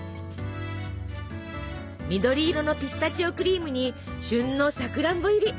緑色のピスタチオクリームに旬のさくらんぼ入り！